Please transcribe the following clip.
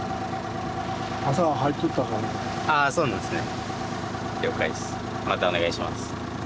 ああそうなんですね。